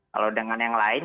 kalau dengan yang lain